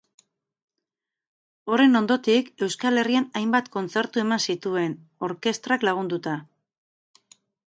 Horren ondotik, Euskal Herrian hainbat kontzertu eman zituen, orkestrak lagunduta.